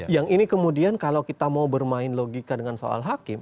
yang ini kemudian kalau kita mau bermain logika dengan soal hakim